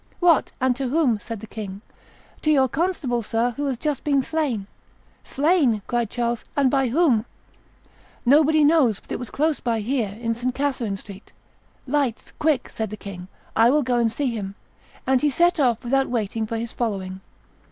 "What, and to whom?" said the king. "To your constable, sir, who has just been slain." "Slain!" cried Charles; "and by whom?" "Nobody knows; but it was close by here, in St. Catherine Street." "Lights! quick!" said the king; "I will go and see him;" and he set off, without waiting for his following.